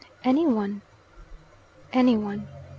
"Any one?" "Any one."